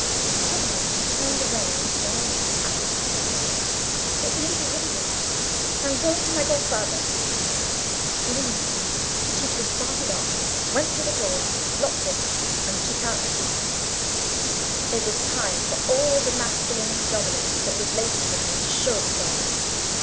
Suddenly she turned away, and said in an agitated tone, "It may be hindered—I am going to my godfather." In an instant Tito started up, went to the door, locked it, and took out the key. It was time for all the masculine predominance that was latent in him to show itself.